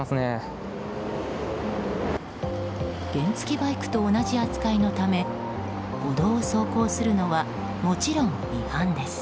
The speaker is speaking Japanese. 原付きバイクと同じ扱いのため歩道を走行するのはもちろん違反です。